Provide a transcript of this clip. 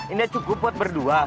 ini cukup buat berdua